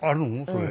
それ。